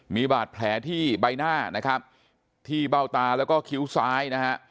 มีบาดแผลที่ใบหน้านะครับที่เบ้าตาแล้วก็คิ้วซ้ายนะฮะ